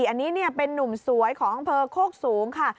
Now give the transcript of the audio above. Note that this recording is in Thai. อันนี้เป็นนุ่มสวยของอำเภอโคกสูงค่ะ